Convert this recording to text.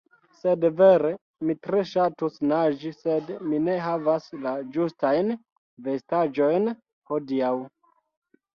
Sed vere, mi tre ŝatus naĝi sed mi ne havas la ĝustajn vestaĵojn hodiaŭ